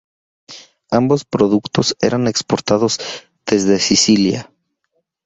Ambos productos eran exportados desde Sicilia.